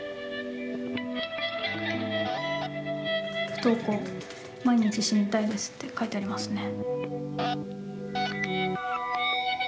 「不登校毎日死にたいです」って書いてありますね。